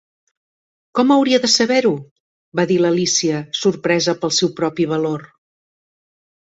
"Com hauria de saber-ho?" va dir l'Alícia, sorpresa pel seu propi valor.